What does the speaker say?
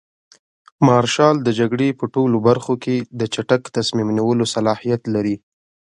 مارشال د جګړې په ټولو برخو کې د چټک تصمیم نیولو صلاحیت لري.